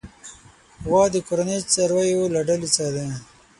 غوا د کورني څارويو له ډلې څخه ده.